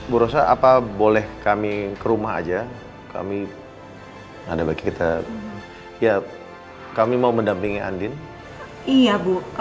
bu rosa apa boleh kami ke rumah aja kami ada bagi kita ya kami mau mendampingi andin iya bu